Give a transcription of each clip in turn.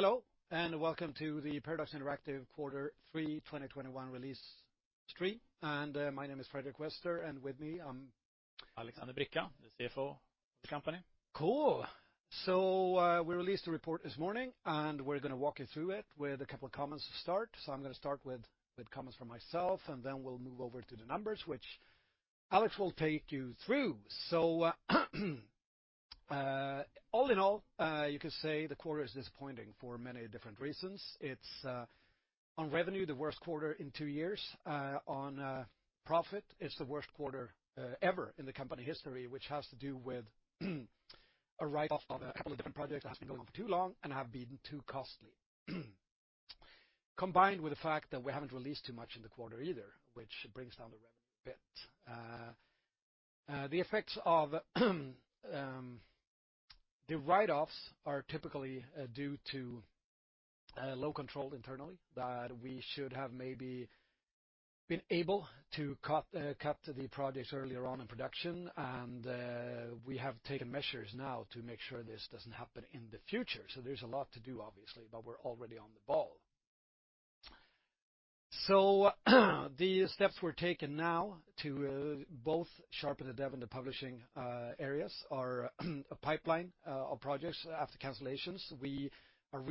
Hello, and welcome to the Paradox Interactive Q3 2021 Release Stream. My name is Fredrik Wester, and with me, Alexander Bricca, the CFO of the company. Cool. We released the report this morning, and we're gonna walk you through it with a couple of comments to start. I'm gonna start with comments from myself, and then we'll move over to the numbers which Alex will take you through. All in all, you could say the quarter is disappointing for many different reasons. It's on revenue, the worst quarter in two years. On profit, it's the worst quarter ever in the company history, which has to do with a write-off of a couple of different projects that have been going for too long and have been too costly. Combined with the fact that we haven't released too much in the quarter either, which brings down the revenue a bit. The effects of the write-offs are typically due to low control internally that we should have maybe been able to cut the projects earlier on in production. We have taken measures now to make sure this doesn't happen in the future. There's a lot to do, obviously, but we're already on the ball. The steps we're taking now to both sharpen the dev and the publishing areas are a pipeline of projects after cancellations. We are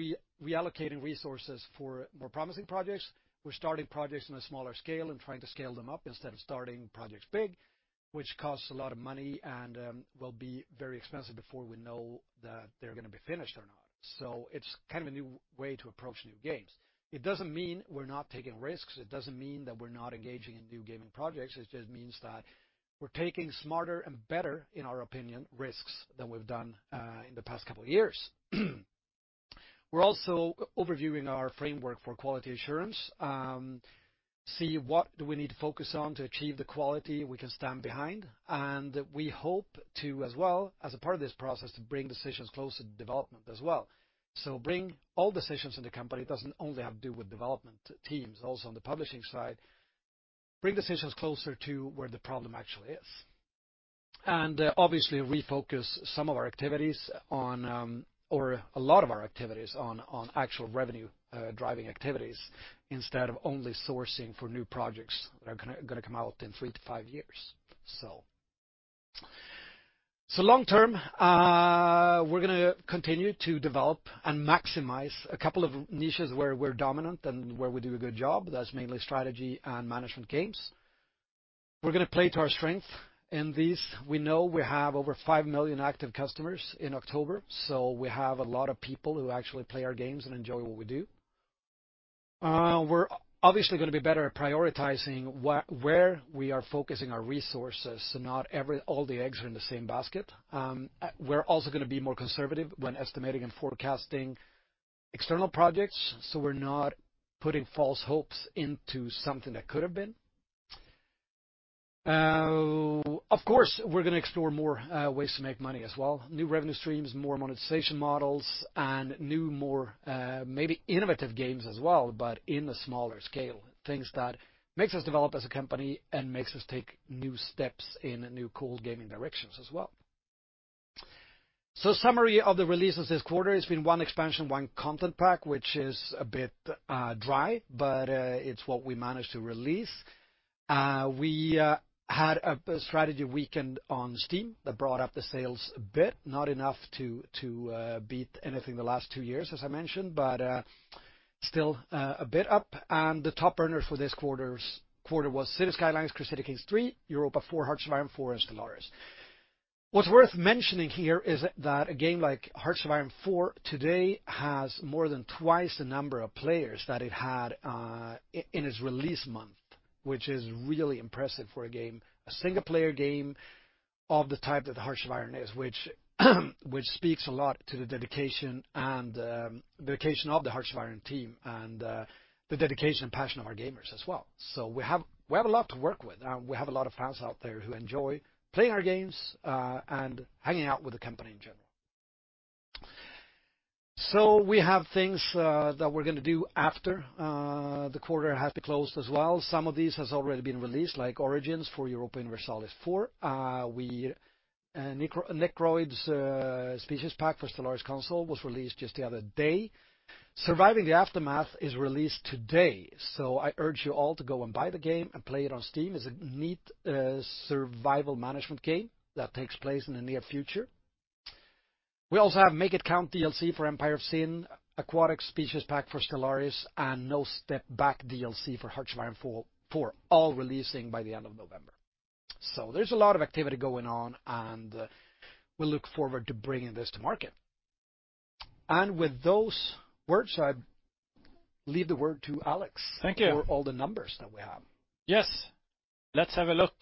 reallocating resources for more promising projects. We're starting projects in a smaller scale and trying to scale them up instead of starting projects big, which costs a lot of money and will be very expensive before we know that they're gonna be finished or not. It's kind of a new way to approach new games. It doesn't mean we're not taking risks. It doesn't mean that we're not engaging in new gaming projects. It just means that we're taking smarter and better, in our opinion, risks than we've done in the past couple of years. We're also overviewing our framework for quality assurance, see what do we need to focus on to achieve the quality we can stand behind. We hope to, as well, as a part of this process, to bring decisions closer to development as well. Bring all decisions in the company, doesn't only have to do with development teams, also on the publishing side, bring decisions closer to where the problem actually is. Obviously, refocus a lot of our activities on actual revenue driving activities instead of only sourcing for new projects that are gonna come out in three-five years. Long term, we're gonna continue to develop and maximize a couple of niches where we're dominant and where we do a good job. That's mainly strategy and management games. We're gonna play to our strength. In these, we know we have over five million active customers in October, so we have a lot of people who actually play our games and enjoy what we do. We're obviously gonna be better at prioritizing where we are focusing our resources, so not all the eggs are in the same basket. We're also gonna be more conservative when estimating and forecasting external projects, so we're not putting false hopes into something that could have been. Of course, we're gonna explore more ways to make money as well. New revenue streams, more monetization models, and new, more maybe innovative games as well, but in a smaller scale. Things that makes us develop as a company and makes us take new steps in new cool gaming directions as well. Summary of the releases this quarter, it's been one expansion, one content pack, which is a bit dry, but it's what we managed to release. We had a strategy weekend on Steam that brought up the sales a bit, not enough to beat anything in the last two years, as I mentioned, but still a bit up. The top earner for this quarter was Cities: Skylines, Crusader Kings III, Europa Universalis IV, Hearts of Iron IV, and Stellaris. What's worth mentioning here is that a game like Hearts of Iron IV today has more than twice the number of players that it had in its release month, which is really impressive for a game, a single player game of the type that the Hearts of Iron is, which speaks a lot to the dedication of the Hearts of Iron team and the dedication and passion of our gamers as well. We have a lot to work with. We have a lot of fans out there who enjoy playing our games and hanging out with the company in general. We have things that we're gonna do after the quarter has been closed as well. Some of these has already been released, like Origins for Europa Universalis IV. Necroids Species Pack for Stellaris Console was released just the other day. Surviving the Aftermath is released today, so I urge you all to go and buy the game and play it on Steam. It's a neat survival management game that takes place in the near future. We also have Make It Count DLC for Empire of Sin, Aquatic Species Pack for Stellaris, and No Step Back DLC for Hearts of Iron IV, all releasing by the end of November. There's a lot of activity going on, and we look forward to bringing this to market. With those words, I leave the word to Alex- Thank you. For all the numbers that we have. Yes. Let's have a look.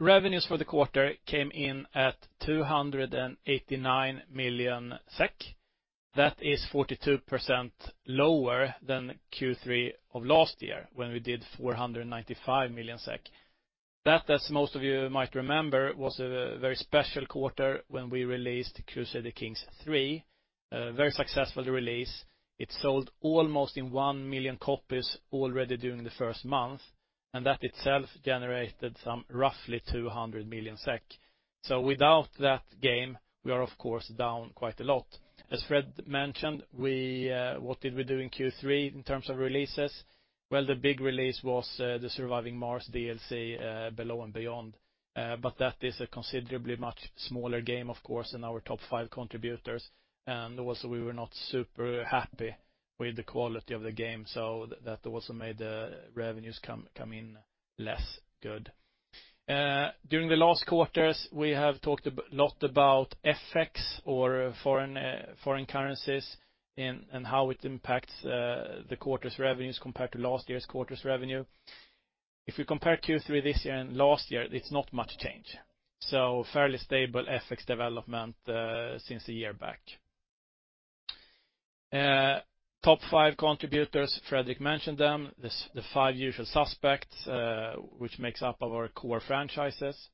Revenues for the quarter came in at 289 million SEK. That is 42% lower than Q3 of last year when we did 495 million SEK. That, as most of you might remember, was a very special quarter when we released Crusader Kings III. Very successful release. It sold almost one million copies already during the first month, and that itself generated roughly 200 million SEK. Without that game, we are of course down quite a lot. As Fred mentioned, what did we do in Q3 in terms of releases? Well, the big release was the Surviving Mars DLC, Below and Beyond. But that is a considerably much smaller game, of course, in our top five contributors. Also, we were not super happy with the quality of the game, so that also made the revenues come in less good. During the last quarters, we have talked a lot about FX or foreign currencies and how it impacts the quarter's revenues compared to last year's quarter's revenue. If we compare Q3 this year and last year, it's not much change. Fairly stable FX development since a year back. Top five contributors, Fredrik mentioned them, the five usual suspects which makes up our core franchises.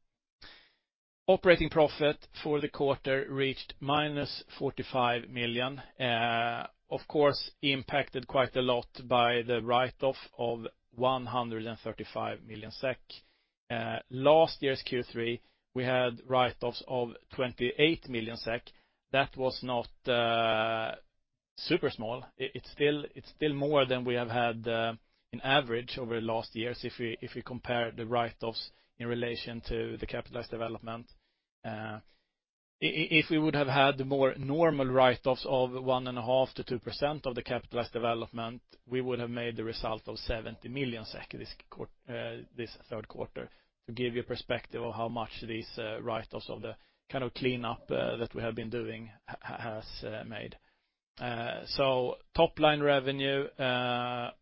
Operating profit for the quarter reached -45 million. Of course, impacted quite a lot by the write-off of 135 million SEK. Last year's Q3, we had write-offs of 28 million SEK. That was not super small. It's still more than we have had on average over the last years if we compare the write-offs in relation to the capitalized development. If we would have had more normal write-offs of 1.5%-2% of the capitalized development, we would have made the result of 70 million SEK this Q3, to give you a perspective of how much these write-offs of the kind of cleanup that we have been doing has made. Top-line revenue, not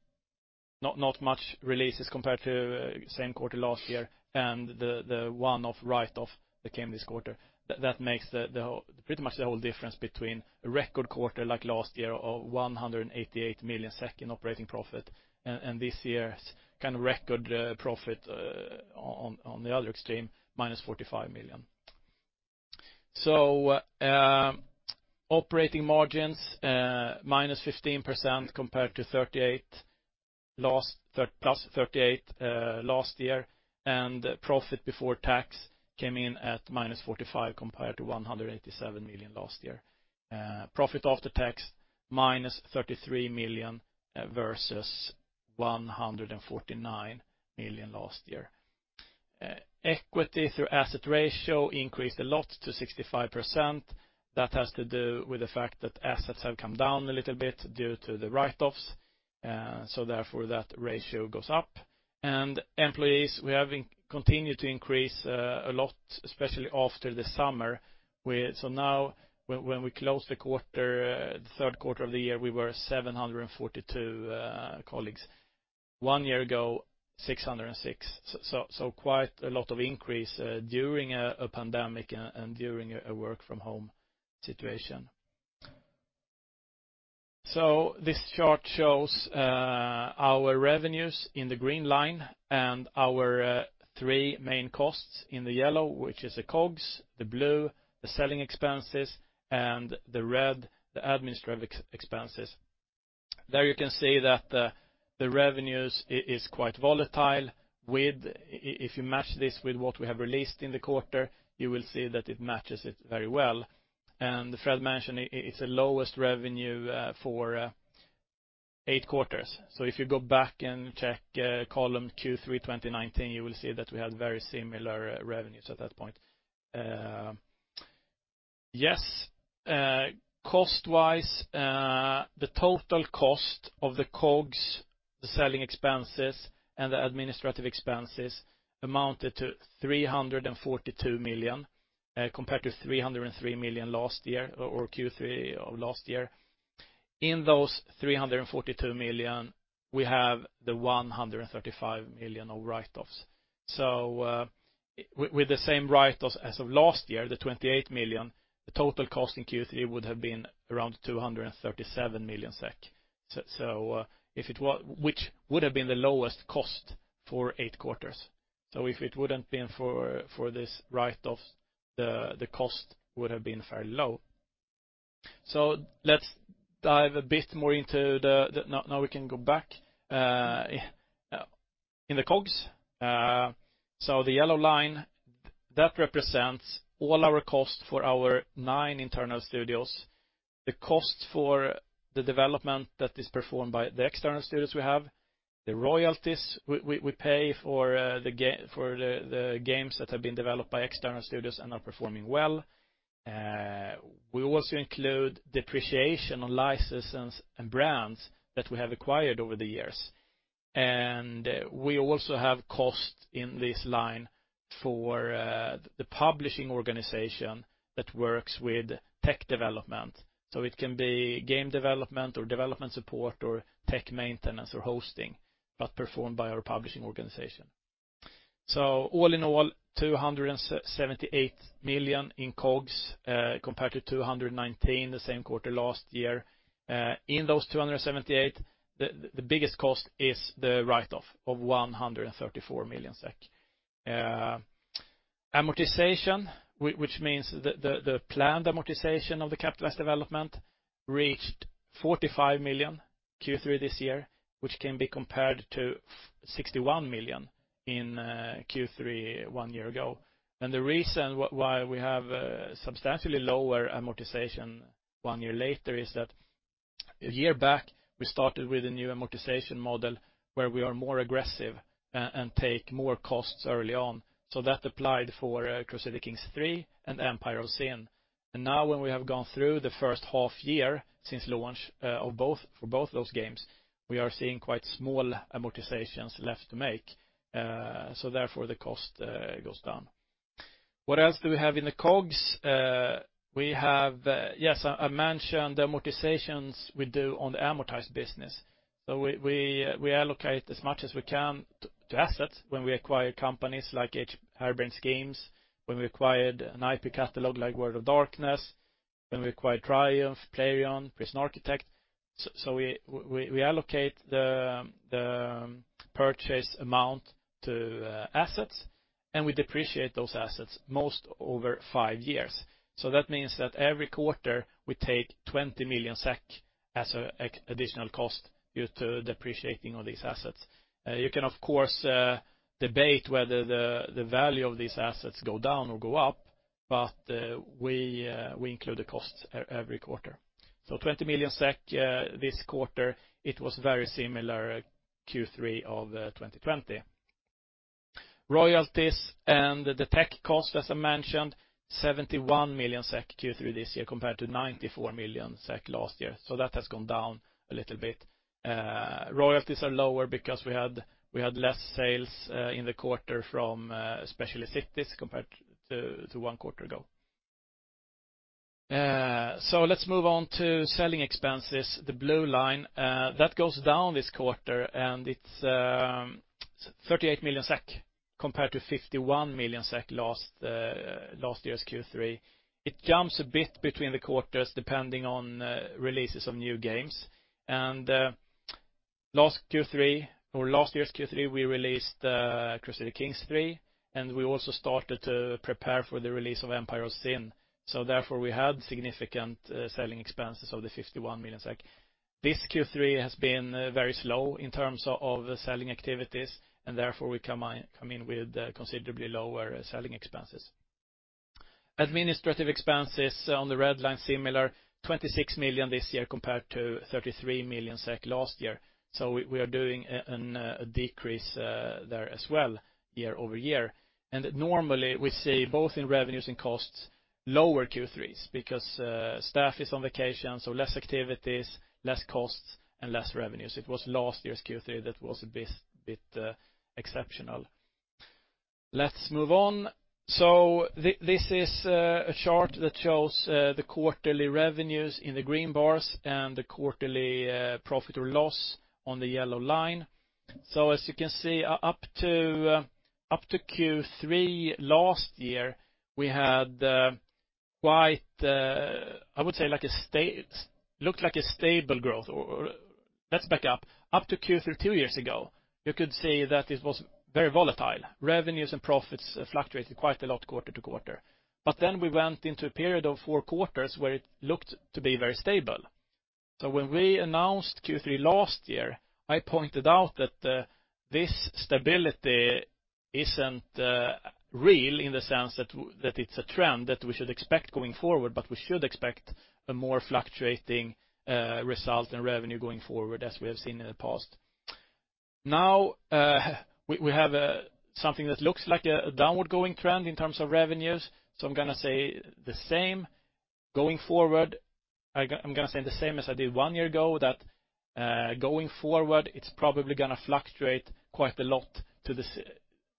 much releases compared to same quarter last year and the one-off write-off that came this quarter. That makes the whole pretty much the whole difference between a record quarter like last year of 188 million in operating profit, and this year's kind of record profit on the other extreme, -45 million. Operating margins -15% compared to +38 last year, and profit before tax came in at -45 million compared to 187 million last year. Profit after tax, -33 million versus 149 million last year. Equity to assets ratio increased a lot to 65%. That has to do with the fact that assets have come down a little bit due to the write-offs. Therefore, that ratio goes up. Employees, we have continued to increase a lot, especially after the summer. Now when we close the quarter, the Q3 of the year, we were 742 colleagues. One year ago, 606. Quite a lot of increase during a pandemic and during a work-from-home situation. This chart shows our revenues in the green line and our three main costs in the yellow, which is the COGS, the blue, the selling expenses, and the red, the administrative expenses. There you can see that the revenues is quite volatile with if you match this with what we have released in the quarter, you will see that it matches it very well. Fredrik mentioned it's the lowest revenue for eight quarters. If you go back and check column Q3 2019, you will see that we had very similar revenues at that point. Cost-wise, the total cost of the COGS, the selling expenses, and the administrative expenses amounted to 342 million compared to 303 million last year or Q3 of last year. In those 342 million, we have 135 million of write-offs. With the same write-offs as of last year, the 28 million, the total cost in Q3 would have been around 237 million SEK. Which would have been the lowest cost for eight quarters. If it wouldn't been for this write-offs, the cost would have been fairly low. Let's dive a bit more into the COGS. We can go back in the COGS. The yellow line that represents all our costs for our nine internal studios. The cost for the development that is performed by the external studios we have, the royalties we pay for the games that have been developed by external studios and are performing well. We also include depreciation on licenses and brands that we have acquired over the years. We also have costs in this line for the publishing organization that works with tech development. It can be game development or development support or tech maintenance or hosting, but performed by our publishing organization. All in all, 278 million in COGS, compared to 219 million the same quarter last year. In those 278 million the biggest cost is the write-off of 134 million SEK. Amortization, which means the planned amortization of the capitalized development reached 45 million in Q3 this year, which can be compared to 61 million in Q3 one year ago. The reason why we have substantially lower amortization one year later is that a year back, we started with a new amortization model where we are more aggressive and take more costs early on. That applied for Crusader Kings III and Empire of Sin. Now when we have gone through the first half year since launch of both those games, we are seeing quite small amortizations left to make. Therefore the cost goes down. What else do we have in the COGS? I mentioned the amortizations we do on the amortized business. We allocate as much as we can to assets when we acquire companies like Harebrained Schemes, when we acquired an IP catalog like World of Darkness, when we acquired Triumph, Playrion, Prison Architect. We allocate the purchase amount to assets, and we depreciate those assets mostly over five years. That means that every quarter we take 20 million SEK as an additional cost due to depreciating all these assets. You can of course debate whether the value of these assets go down or go up, but we include the costs every quarter. 20 million SEK this quarter. It was very similar Q3 of 2020. Royalties and the tech cost, as I mentioned, 71 million SEK Q3 this year, compared to 94 million SEK last year. That has gone down a little bit. Royalties are lower because we had less sales in the quarter from especially Cities compared to one quarter ago. Let's move on to selling expenses, the blue line. That goes down this quarter, and it's 38 million SEK compared to 51 million SEK last year's Q3. It jumps a bit between the quarters depending on releases of new games. Last Q3 or last year's Q3, we released Crusader Kings III, and we also started to prepare for the release of Empire of Sin, so therefore we had significant selling expenses of the 51 million SEK. This Q3 has been very slow in terms of selling activities, and therefore we come in with considerably lower selling expenses. Administrative expenses on the red line, similar 26 million this year compared to 33 million SEK last year. We are doing a decrease there as well year-over-year. Normally we see both in revenues and costs lower Q3s because staff is on vacation, so less activities, less costs and less revenues. It was last year's Q3 that was a bit exceptional. Let's move on. This is a chart that shows the quarterly revenues in the green bars and the quarterly profit or loss on the yellow line. As you can see, up to Q3 last year, we had quite, I would say like a stable growth or let's back up. Up to Q3 two years ago, you could see that it was very volatile. Revenues and profits fluctuated quite a lot quarter to quarter. We went into a period of four quarters where it looked to be very stable. When we announced Q3 last year, I pointed out that this stability isn't real in the sense that it's a trend that we should expect going forward, but we should expect a more fluctuating result in revenue going forward, as we have seen in the past. Now, we have something that looks like a downward going trend in terms of revenues. I'm gonna say the same going forward. I'm gonna say the same as I did one year ago, that going forward it's probably gonna fluctuate quite a lot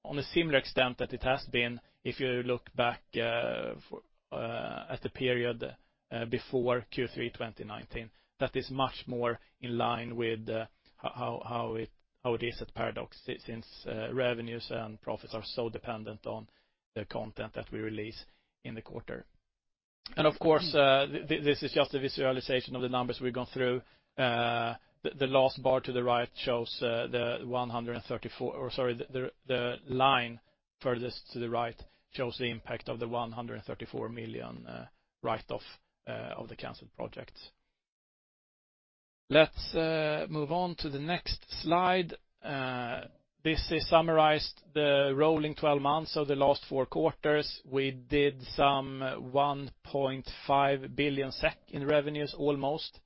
on a similar extent that it has been if you look back at the period before Q3 2019. That is much more in line with how it is at Paradox since revenues and profits are so dependent on the content that we release in the quarter. Of course, this is just a visualization of the numbers we've gone through. The line furthest to the right shows the impact of the 134 million write-off of the canceled projects. Let's move on to the next slide. This is summarized the rolling twelve months of the last four quarters. We did some 1.5 billion SEK in revenues almost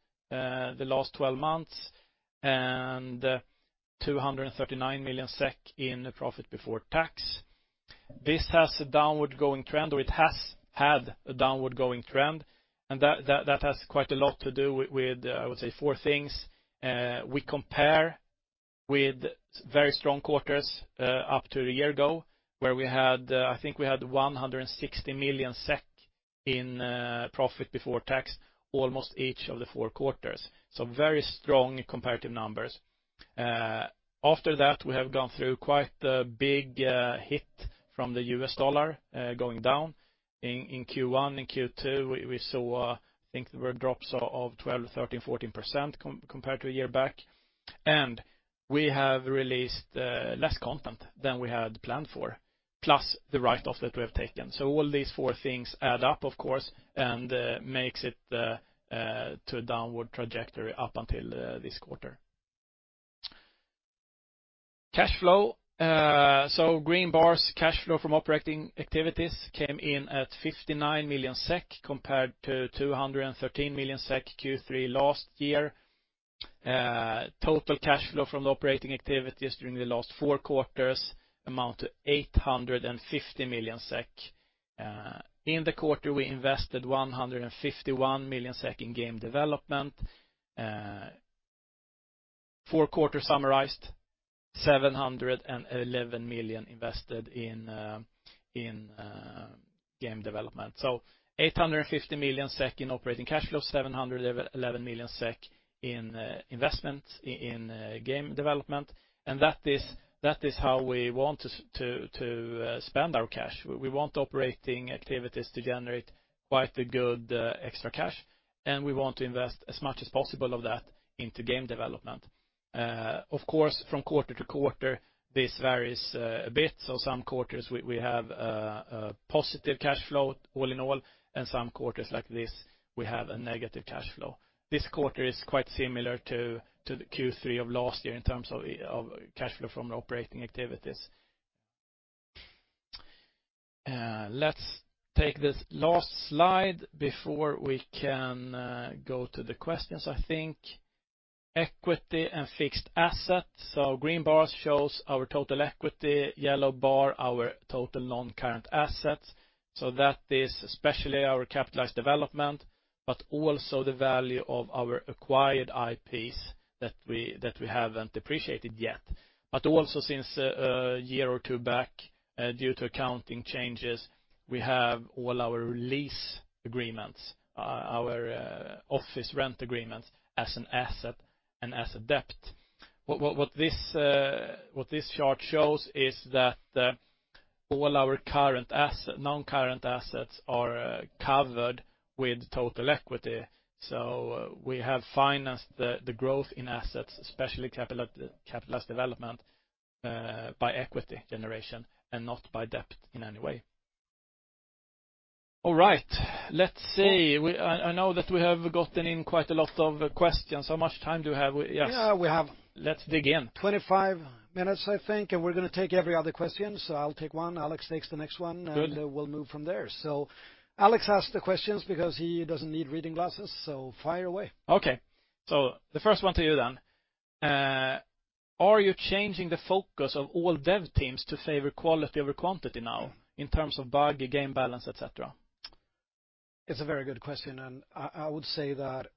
the last twelve months, and 239 million SEK in profit before tax. This has a downward going trend, or it has had a downward going trend, and that has quite a lot to do with I would say four things. We compare with very strong quarters up to a year ago where we had I think we had 160 million SEK in profit before tax almost each of the four quarters. Very strong comparative numbers. After that, we have gone through quite a big hit from the U.S. dollar going down. In Q1, in Q2, we saw, I think there were drops of 12%-14% compared to a year back. We have released less content than we had planned for, plus the write-off that we have taken. All these four things add up, of course, and makes it to a downward trajectory up until this quarter. Cash flow. Green bars, cash flow from operating activities came in at 59 million SEK compared to 213 million SEK Q3 last year. Total cash flow from the operating activities during the last four quarters amount to 850 million SEK. In the quarter, we invested 151 million SEK in game development. Q4 summarized, 711 million invested in game development. So 850 million SEK in operating cash flow, 711 million SEK in investment in game development. And that is how we want to spend our cash. We want operating activities to generate quite a good extra cash, and we want to invest as much as possible of that into game development. Of course, from quarter to quarter, this varies a bit. Some quarters we have a positive cash flow all in all, and some quarters like this, we have a negative cash flow. This quarter is quite similar to the Q3 of last year in terms of cash flow from the operating activities. Let's take this last slide before we can go to the questions, I think. Equity and fixed assets. Green bars shows our total equity, yellow bar our total non-current assets. That is especially our capitalized development, but also the value of our acquired IPs that we haven't depreciated yet. Also since a year or two back, due to accounting changes, we have all our lease agreements, our office rent agreements as an asset and as a debt. What this chart shows is that all our non-current assets are covered with total equity. We have financed the growth in assets, especially capitalized development, by equity generation and not by debt in any way. All right. Let's see. I know that we have gotten in quite a lot of questions. How much time do we have? Yes. Yeah, we have. Let's dig in. 25 minutes, I think. We're gonna take every other question. I'll take one, Alex takes the next one. Good We'll move from there. Alex asks the questions because he doesn't need reading glasses. Fire away. Okay. The first one to you then. Are you changing the focus of all dev teams to favor quality over quantity now in terms of buggy, game balance, etc? It's a very good question, and I would say that,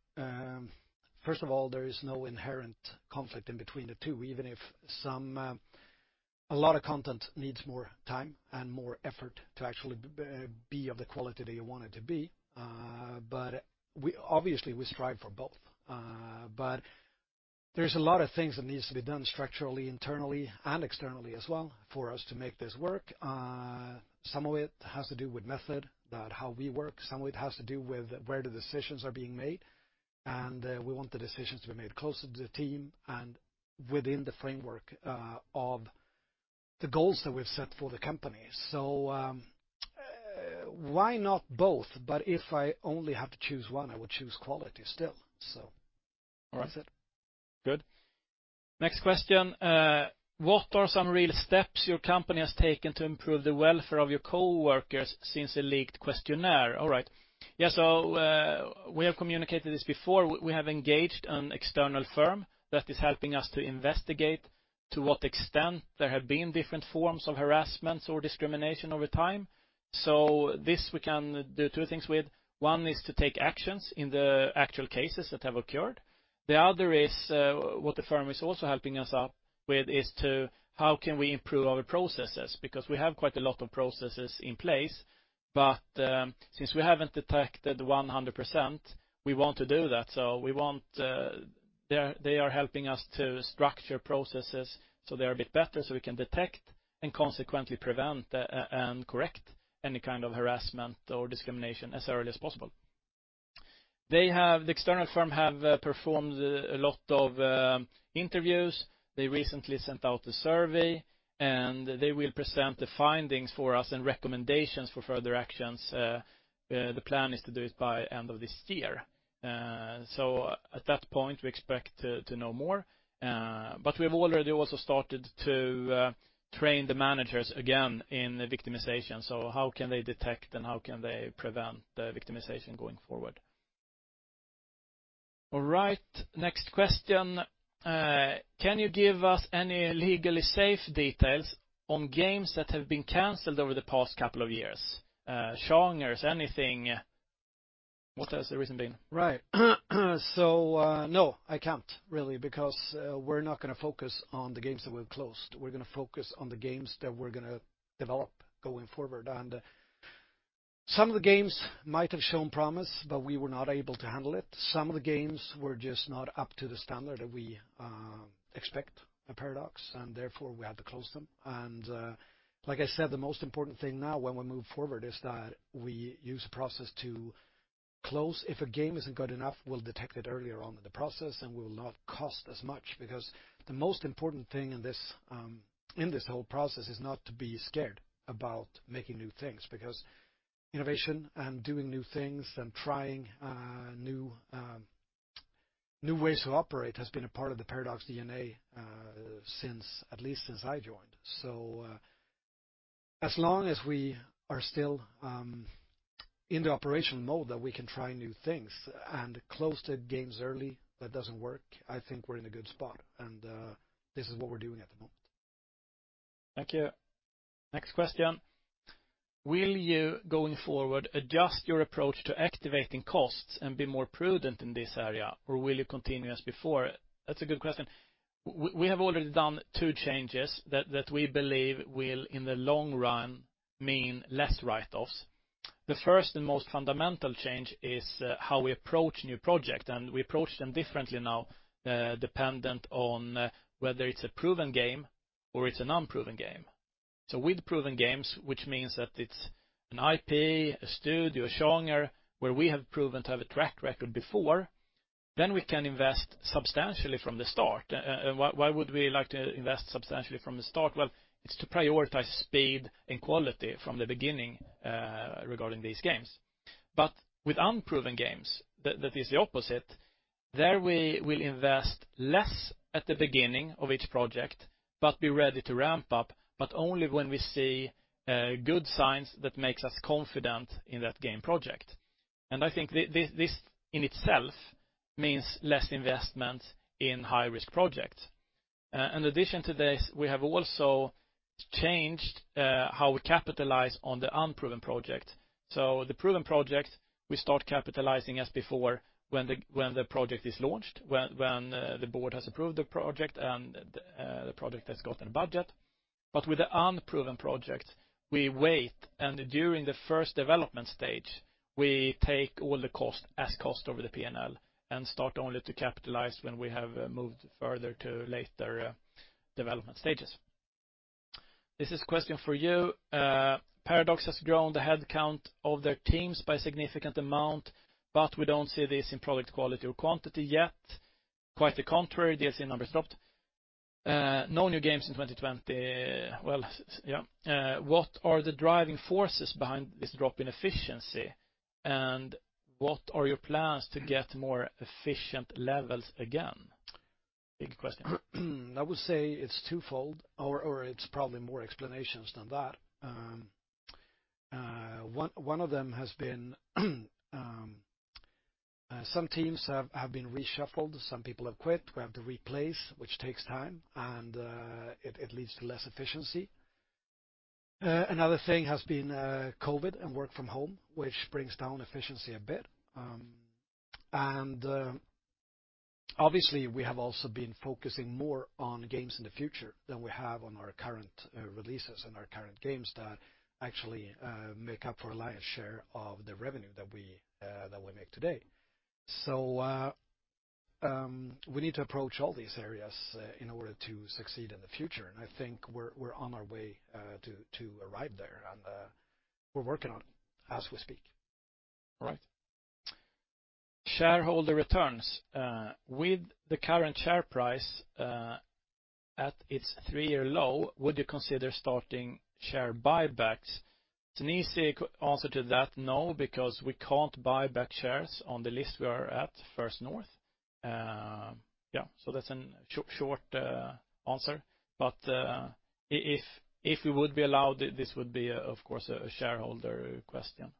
first of all, there is no inherent conflict in between the two, even if some a lot of content needs more time and more effort to actually be of the quality that you want it to be. But we obviously strive for both. There's a lot of things that needs to be done structurally, internally and externally as well for us to make this work. Some of it has to do with method, about how we work. Some of it has to do with where the decisions are being made, and we want the decisions to be made closer to the team and within the framework of the goals that we've set for the company. Why not both? If I only have to choose one, I would choose quality still. That's it. Good. Next question. What are some real steps your company has taken to improve the welfare of your coworkers since the leaked questionnaire? All right. We have communicated this before. We have engaged an external firm that is helping us to investigate to what extent there have been different forms of harassment or discrimination over time. This we can do two things with. One is to take actions in the actual cases that have occurred. The other is, what the firm is also helping us out with, is how can we improve our processes? Because we have quite a lot of processes in place, but since we haven't detected 100%, we want to do that. They are helping us to structure processes so they are a bit better, so we can detect and consequently prevent and correct any kind of harassment or discrimination as early as possible. The external firm have performed a lot of interviews. They recently sent out a survey, and they will present the findings for us and recommendations for further actions. The plan is to do it by end of this year. At that point, we expect to know more, but we have already also started to train the managers again in victimization, how can they detect and how can they prevent the victimization going forward. All right, next question. Can you give us any legally safe details on games that have been canceled over the past couple of years? Genres, anything? What has the reason been? Right. No, I can't really, because we're not gonna focus on the games that we've closed. We're gonna focus on the games that we're gonna develop going forward. Some of the games might have shown promise, but we were not able to handle it. Some of the games were just not up to the standard that we expect at Paradox, and therefore we had to close them. Like I said, the most important thing now when we move forward is that we use a process to close. If a game isn't good enough, we'll detect it earlier on in the process, and will not cost as much because the most important thing in this whole process is not to be scared about making new things because innovation and doing new things and trying new ways to operate has been a part of the Paradox DNA since at least I joined. As long as we are still in the operational mode that we can try new things and close the games early that doesn't work, I think we're in a good spot, and this is what we're doing at the moment. Thank you. Next question. Will you, going forward, adjust your approach to capitalizing costs and be more prudent in this area, or will you continue as before? That's a good question. We have already done two changes that we believe will, in the long run, mean less write-offs. The first and most fundamental change is how we approach new projects, and we approach them differently now, dependent on whether it's a proven game or it's an unproven game. With proven games, which means that it's an IP, a studio, a genre where we have proven to have a track record before, then we can invest substantially from the start. Why would we like to invest substantially from the start? Well, it's to prioritize speed and quality from the beginning, regarding these games. With unproven games, that is the opposite. There we will invest less at the beginning of each project, but be ready to ramp up, but only when we see good signs that makes us confident in that game project. I think this in itself means less investment in high-risk projects. In addition to this, we have also changed how we capitalize on the unproven project. The proven project, we start capitalizing as before when the project is launched, when the board has approved the project and the project has gotten a budget. With the unproven projects, we wait, and during the first development stage, we take all the cost as cost over the P&L and start only to capitalize when we have moved further to later development stages. This is a question for you. Paradox has grown the headcount of their teams by a significant amount, but we don't see this in product quality or quantity yet. Quite the contrary, DAU numbers dropped. No new games in 2020. What are the driving forces behind this drop in efficiency, and what are your plans to get more efficient levels again? Big question. I would say it's twofold, it's probably more explanations than that. One of them has been some teams have been reshuffled, some people have quit, we have to replace, which takes time, and it leads to less efficiency. Another thing has been COVID and work from home, which brings down efficiency a bit. Obviously, we have also been focusing more on games in the future than we have on our current releases and our current games that actually make up for a lion's share of the revenue that we make today. We need to approach all these areas in order to succeed in the future. I think we're on our way to arrive there, and we're working on it as we speak. All right. Shareholder returns. With the current share price at its three-year low, would you consider starting share buybacks? It's an easy answer to that, no, because we can't buy back shares on the list we are at First North. Yeah, so that's a short answer. If we would be allowed, this would be, of course, a shareholder question.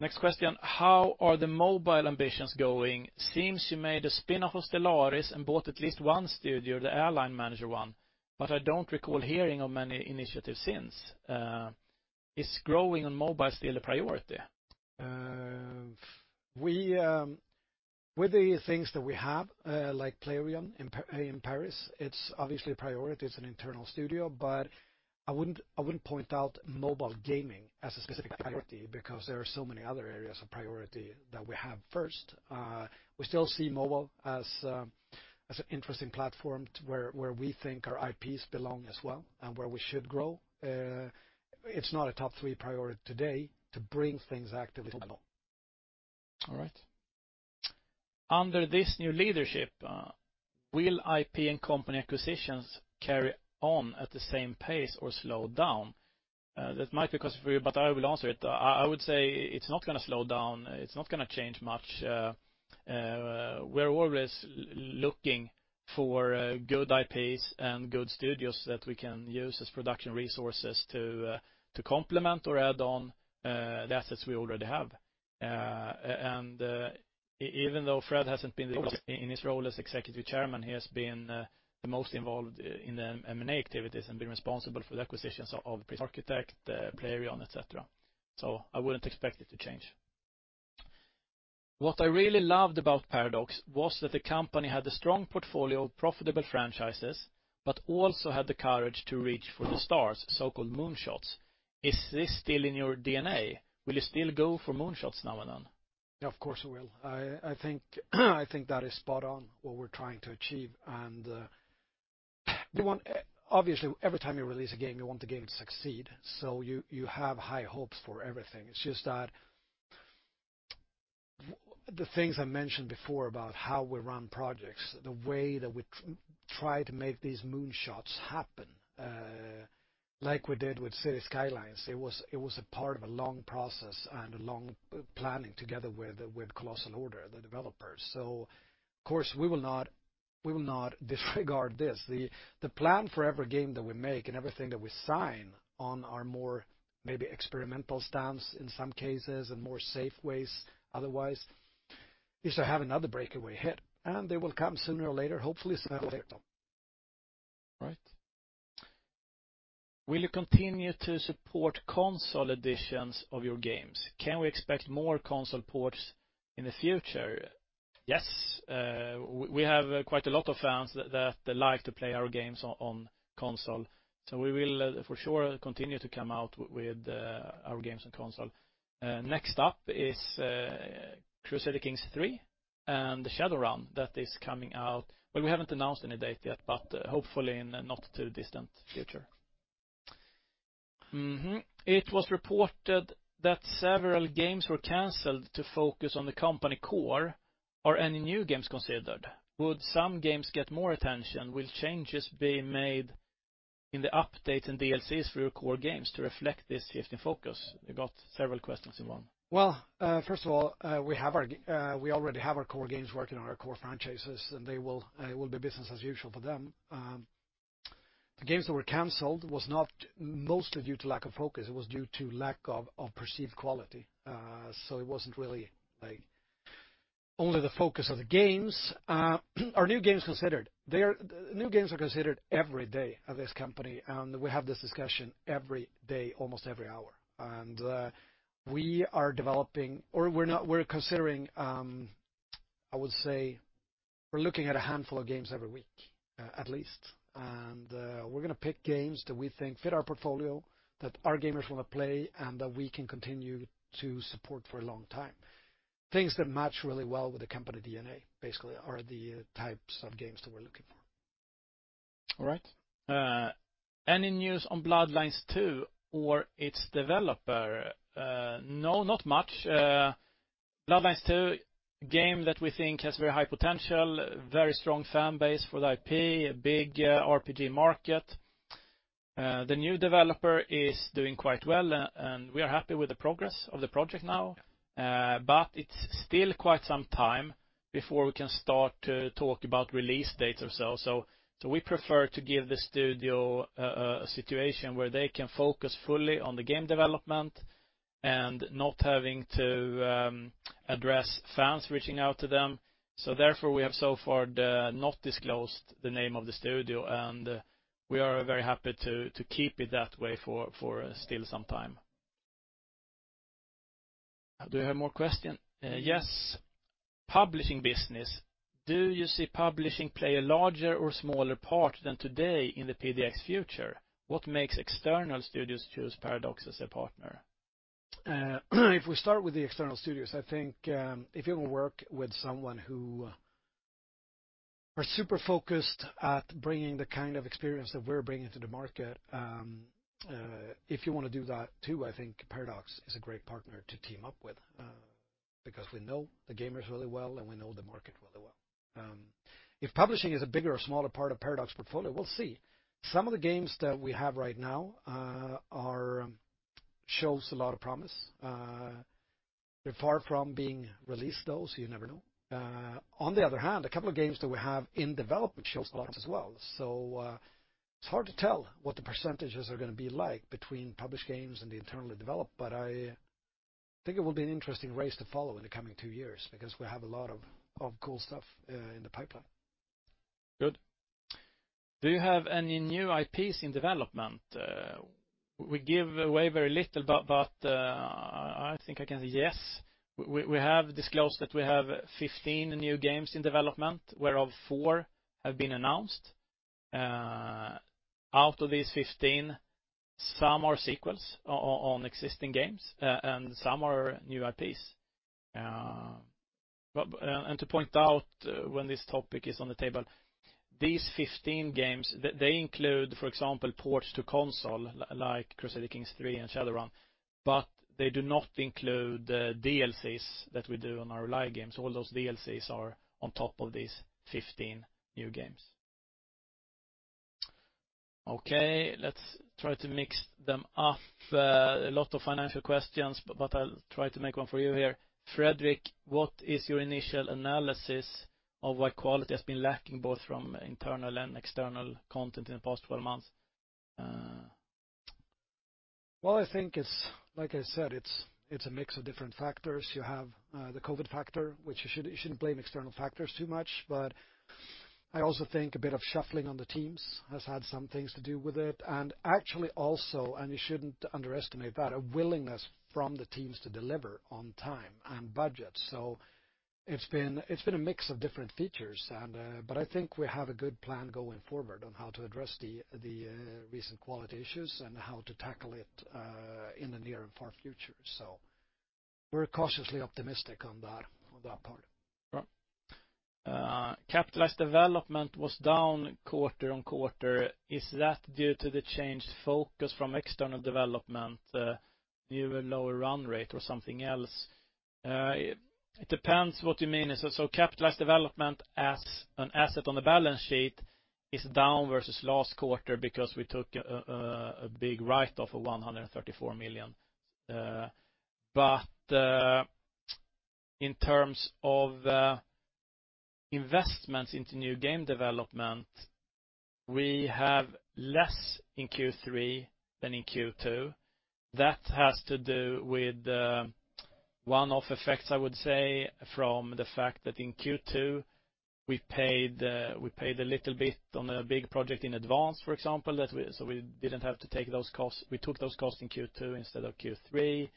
Next question. How are the mobile ambitions going? Seems you made a spin-off of Stellaris and bought at least one studio, the airline manager one, but I don't recall hearing of many initiatives since. Is growing on mobile still a priority? With the things that we have, like Playrion in Paris, it's obviously a priority. It's an internal studio, but I wouldn't point out mobile gaming as a specific priority because there are so many other areas of priority that we have first. We still see mobile as an interesting platform where we think our IPs belong as well and where we should grow. It's not a top three priority today to bring things actively mobile. All right. Under this new leadership, will IP and company acquisitions carry on at the same pace or slow down? That might be because of you, but I will answer it. I would say it's not gonna slow down. It's not gonna change much. We're always looking for good IPs and good studios that we can use as production resources to complement or add on the assets we already have. Even though Fred hasn't been the boss in his role as Executive Chairman, he has been the most involved in the M&A activities and been responsible for the acquisitions of Prison Architect, Playrion, et cetera. I wouldn't expect it to change. What I really loved about Paradox was that the company had a strong portfolio of profitable franchises, but also had the courage to reach for the stars, so-called moonshots. Is this still in your DNA? Will you still go for moonshots now and then? Of course, we will. I think that is spot on what we're trying to achieve. Obviously, every time you release a game, you want the game to succeed, so you have high hopes for everything. It's just that the things I mentioned before about how we run projects, the way that we try to make these moonshots happen, like we did with Cities: Skylines, it was a part of a long process and a long planning together with Colossal Order, the developers. Of course, we will not disregard this. The plan for every game that we make and everything that we sign on our more maybe experimental stance in some cases and more safe ways otherwise, is to have another breakaway hit, and they will come sooner or later, hopefully sooner than later. All right. Will you continue to support console editions of your games? Can we expect more console ports in the future? Yes. We have quite a lot of fans that like to play our games on console. We will for sure continue to come out with our games on console. Next up is Crusader Kings III and the Shadowrun that is coming out. Well, we haven't announced any date yet, but hopefully in the not too distant future. It was reported that several games were canceled to focus on the company core. Are any new games considered? Would some games get more attention? Will changes be made in the update and DLCs for your core games to reflect this shift in focus? We got several questions in one. Well, first of all, we already have our core games working on our core franchises, and they will, it will be business as usual for them. The games that were canceled was not mostly due to lack of focus, it was due to lack of perceived quality. So it wasn't really, like, only the focus of the games. Are new games considered? New games are considered every day at this company, and we have this discussion every day, almost every hour. We're considering, I would say, we're looking at a handful of games every week, at least. We're gonna pick games that we think fit our portfolio, that our gamers wanna play, and that we can continue to support for a long time. Things that match really well with the company DNA, basically, are the types of games that we're looking for. All right. Any news on Bloodlines 2 or its developer? No, not much. Bloodlines 2, game that we think has very high potential, very strong fan base for the IP, a big RPG market. The new developer is doing quite well, and we are happy with the progress of the project now. But it's still quite some time before we can start to talk about release dates ourselves. We prefer to give the studio a situation where they can focus fully on the game development and not having to address fans reaching out to them. Therefore, we have so far not disclosed the name of the studio, and we are very happy to keep it that way for still some time. Do you have more question? Yes. Publishing business. Do you see publishing play a larger or smaller part than today in the PDX future? What makes external studios choose Paradox as a partner? If we start with the external studios, I think, if you work with someone who are super focused at bringing the kind of experience that we're bringing to the market, if you wanna do that too, I think Paradox is a great partner to team up with, because we know the gamers really well, and we know the market really well. If publishing is a bigger or smaller part of Paradox portfolio, we'll see. Some of the games that we have right now show a lot of promise. They're far from being released, though, so you never know. On the other hand, a couple of games that we have in development show a lot as well. It's hard to tell what the percentages are gonna be like between published games and the internally developed, but I think it will be an interesting race to follow in the coming two years because we have a lot of cool stuff in the pipeline. Good. Do you have any new IPs in development? We give away very little, but I think I can say yes. We have disclosed that we have 15 new games in development, whereof four have been announced. Out of these 15, some are sequels on existing games, and some are new IPs. To point out when this topic is on the table, these 15 games, they include, for example, ports to console, like Crusader Kings III and Shadowrun, but they do not include the DLCs that we do on our live games. All those DLCs are on top of these 15 new games. Okay, let's try to mix them up. A lot of financial questions, but I'll try to make one for you here. Fredrik, what is your initial analysis of why quality has been lacking both from internal and external content in the past 12 months? Well, I think it's, like I said, it's a mix of different factors. You have the COVID factor, which you shouldn't blame external factors too much. I also think a bit of shuffling on the teams has had some things to do with it. Actually also, you shouldn't underestimate that, a willingness from the teams to deliver on time and budget. It's been a mix of different features, but I think we have a good plan going forward on how to address the recent quality issues and how to tackle it in the near and far future. We're cautiously optimistic on that part. Right. Capitalized development was down quarter-over-quarter. Is that due to the changed focus from external development, even lower run rate or something else? It depends what you mean. Capitalized development as an asset on the balance sheet is down versus last quarter because we took a big write-off of 134 million. In terms of investments into new game development, we have less in Q3 than in Q2. That has to do with one-off effects, I would say, from the fact that in Q2, we paid a little bit on a big project in advance, for example, that we didn't have to take those costs. We took those costs in Q2 instead of Q3.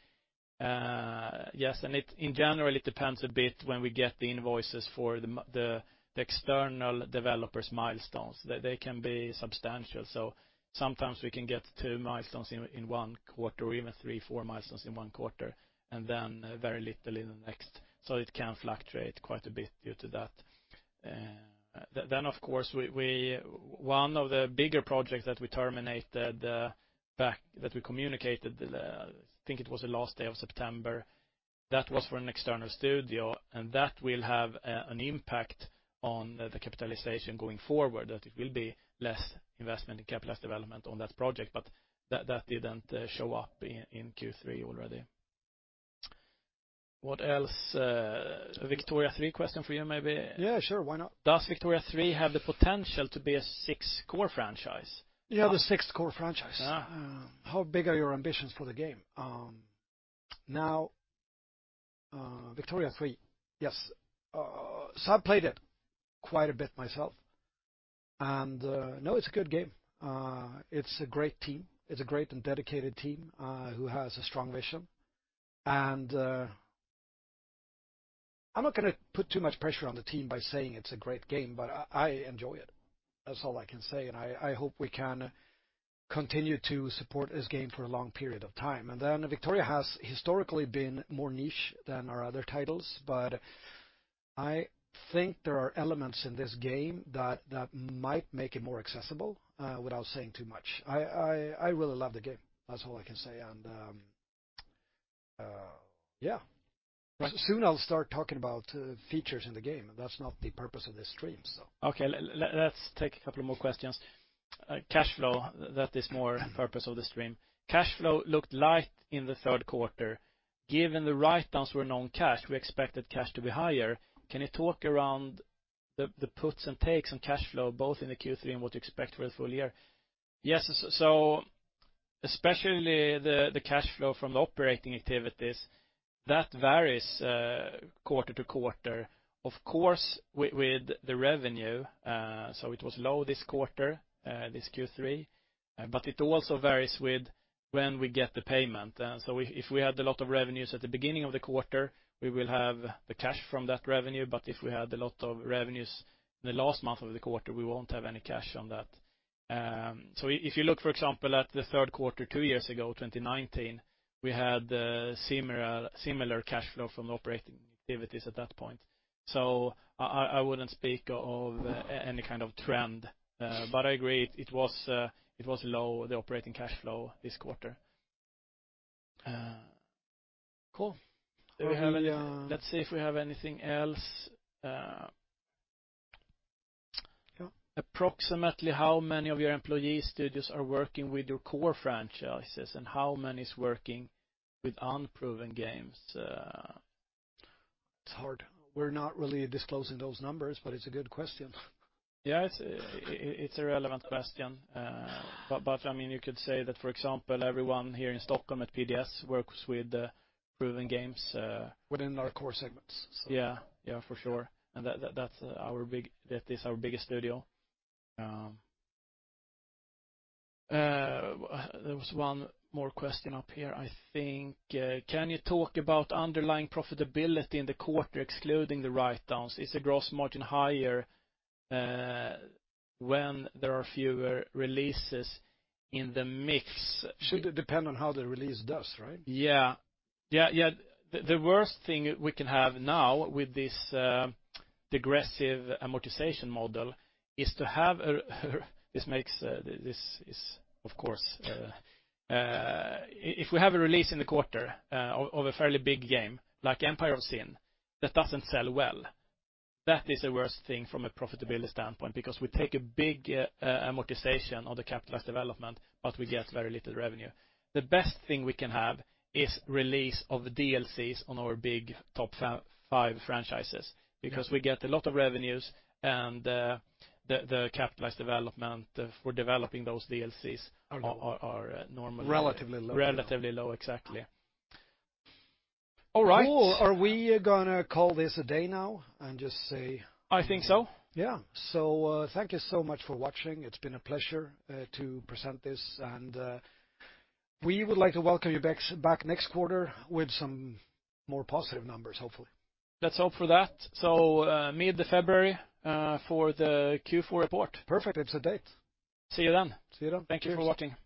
Yes, in general, it depends a bit when we get the invoices for the external developers milestones. They can be substantial. Sometimes we can get two milestones in one quarter or even three, four milestones in one quarter, and then very little in the next. It can fluctuate quite a bit due to that. Of course, one of the bigger projects that we terminated that we communicated, I think it was the last day of September, that was for an external studio, and that will have an impact on the capitalization going forward, that it will be less investment in capitalized development on that project. That didn't show up in Q3 already. What else? A Victoria 3 question for you maybe. Yeah, sure. Why not? Does Victoria 3 have the potential to be a core franchise? Yeah, the six core franchise. Yeah. How big are your ambitions for the game? Victoria 3, yes. I played it quite a bit myself. No, it's a good game. It's a great team. It's a great and dedicated team who has a strong vision. I'm not gonna put too much pressure on the team by saying it's a great game, but I enjoy it. That's all I can say. I hope we can continue to support this game for a long period of time. Then Victoria has historically been more niche than our other titles, but I think there are elements in this game that might make it more accessible without saying too much. I really love the game. That's all I can say. Right. Soon I'll start talking about features in the game. That's not the purpose of this stream. Okay. Let's take a couple more questions. Cash flow, that is more purpose of this stream. Cash flow looked light in the Q3. Given the write-downs were non-cash, we expected cash to be higher. Can you talk around the puts and takes on cash flow, both in the Q3 and what you expect for the full year? Yes. Especially the cash flow from the operating activities, that varies quarter to quarter, of course, with the revenue. It was low this quarter, this Q3, but it also varies with when we get the payment. If we had a lot of revenues at the beginning of the quarter, we will have the cash from that revenue. If we had a lot of revenues in the last month of the quarter, we won't have any cash on that. If you look, for example, at the Q3 two years ago, 2019, we had similar cash flow from operating activities at that point. I wouldn't speak of any kind of trend, but I agree it was low, the operating cash flow this quarter. Cool. Maybe, let's see if we have anything else. Yeah. Approximately how many of your employees studios are working with your core franchises, and how many is working with unproven games? It's hard. We're not really disclosing those numbers, but it's a good question. Yeah, it's a relevant question. I mean, you could say that, for example, everyone here in Stockholm at PDS works with proven games within our core segments. Yeah. Yeah, for sure. That's our biggest studio. There was one more question up here, I think. Can you talk about underlying profitability in the quarter excluding the write-downs? Is the gross margin higher when there are fewer releases in the mix? Should depend on how the release does, right? Yeah. Yeah, yeah. The worst thing we can have now with this degressive amortization model is to have a release in the quarter of a fairly big game like Empire of Sin that doesn't sell well. That is the worst thing from a profitability standpoint because we take a big amortization on the capitalized development, but we get very little revenue. The best thing we can have is release of the DLCs on our big top five franchises because we get a lot of revenues and the capitalized development for developing those DLCs are normally relatively low. Relatively low, exactly. All right. Cool. Are we gonna call this a day now and just say I think so? Yeah. Thank you so much for watching. It's been a pleasure to present this and we would like to welcome you back next quarter with some more positive numbers, hopefully. Let's hope for that. Mid of February for the Q4 report. Perfect. It's a date. See you then. See you then. Thank you for watching. Bye.